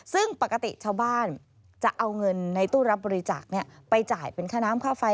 ซึ่งปกติชาวบ้านจะเอาเงินในตู้รับบริจาคไปจ่ายเป็นค่าน้ำค่าไฟ